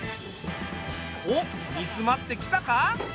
おっ煮詰まってきたか？